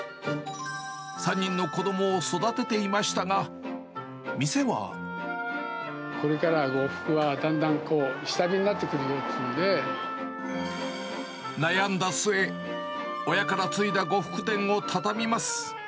３人の子どもを育てていましたが、これから呉服はだんだんこう、悩んだ末、親から継いだ呉服店を畳みます。